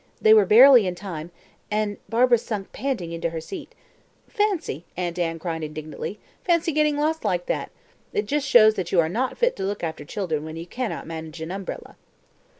They were barely in time, and Barbara sank panting into her seat. "Fancy!" Aunt Anne cried indignantly "fancy getting lost like that! It just shows that you are not fit to look after children when you cannot manage an umbrella!"